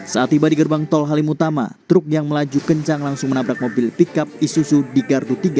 saat tiba di gerbang tol halim utama truk yang melaju kencang langsung menabrak mobil pickup isususu di gardu tiga